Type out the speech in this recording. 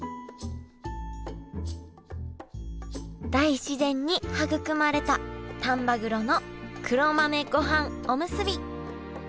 大自然に育まれた丹波黒の黒豆ごはんおむすび。